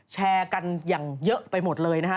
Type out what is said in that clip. แชร์กันอย่างเยอะไปหมดเลยนะฮะ